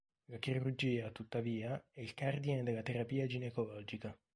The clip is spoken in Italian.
La chirurgia, tuttavia, è il cardine della terapia ginecologica.